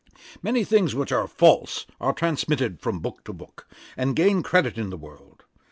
'Many things which are false are transmitted from book to book, and gain credit in the world.